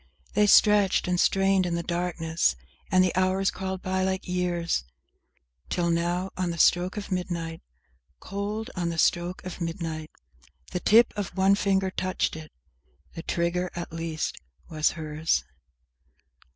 They stretched and strained in the darkness, and the hours crawled by like years, Till, now, on the stroke of midnight, Cold, on the stroke of midnight, The tip of one finger touched it! The trigger at least was hers!